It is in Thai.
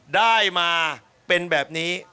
ได้มาเป็นแบบนี้